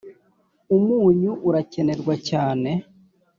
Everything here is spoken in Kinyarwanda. umunyu urakenerwa cyane